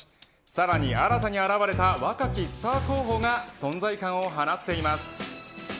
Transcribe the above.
さらに新たに現れた若きスター候補が存在感を放っています。